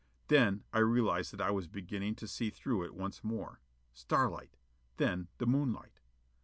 Then I realized that I was beginning to see through it once more. Starlight. Then the moonlight.